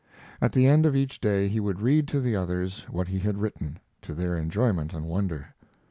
At the end of each day he would read to the others what he had written, to their enjoyment and wonder.